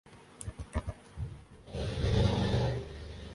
'تو شاہین ہے۔